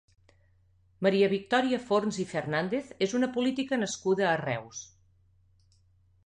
Maria Victòria Forns i Fernández és una política nascuda a Reus.